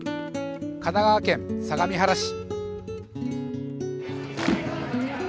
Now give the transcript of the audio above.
神奈川県相模原市。